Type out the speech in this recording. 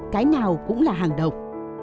cái nào cũng là hàng độc